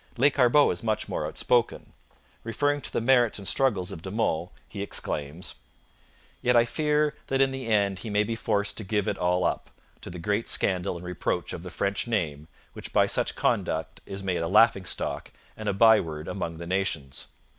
Lescarbot is much more outspoken. Referring to the merits and struggles of De Monts, he exclaims: Yet I fear that in the end he may be forced to give it all up, to the great scandal and reproach of the French name, which by such conduct is made a laughing stock and a byword among the nations.